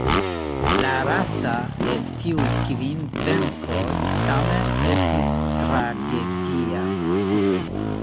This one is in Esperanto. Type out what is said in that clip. La lasta el tiuj kvin venkoj tamen estis tragedia.